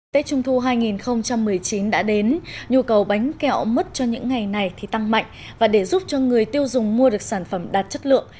tết trung thu hai nghìn một mươi chín đã đến nhu cầu bánh kẹo mất cho những ngày này thì tăng mạnh và để giúp cho người tiêu dùng mua được sản phẩm đạt chất lượng